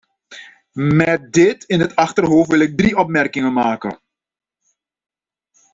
Met dit in het achterhoofd wil ik drie opmerkingen maken.